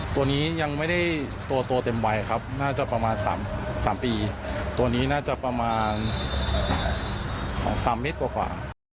ตัวนี้ยังไม่ได้ตัวเต็มวัยครับน่าจะประมาณ๓ปีตัวนี้น่าจะประมาณ๓เมตรกว่า